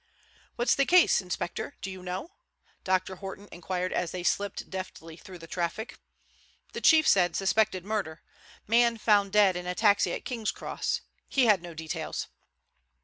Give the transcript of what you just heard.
"What's the case, inspector, do you know?" Dr. Horton inquired as they slipped deftly through the traffic. "The Chief said suspected murder; man found dead in a taxi at King's Cross. He had no details."